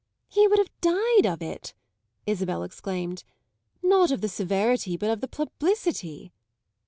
"He would have died of it!" Isabel exclaimed. "Not of the severity, but of the publicity."